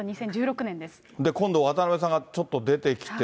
今度、渡辺さんがちょっと出てきて。